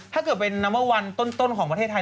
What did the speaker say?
ถ้าเกิดเป็นนัมเบอร์วันต้นของประเทศไทย